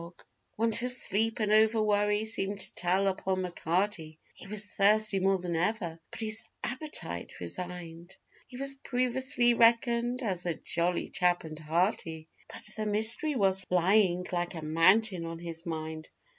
_ Want of sleep and over worry seemed to tell upon M'Carty: He was thirsty more than ever, but his appetite resigned; He was previously reckoned as a jolly chap and hearty, But the mystery was lying like a mountain on his mind.